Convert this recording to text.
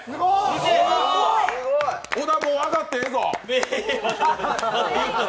小田、もうあがってええぞ！